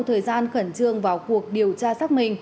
thời gian khẩn trương vào cuộc điều tra sắc mình